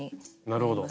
なるほど。